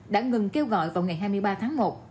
đã ngừng kêu gọi vào ngày hai mươi ba tháng một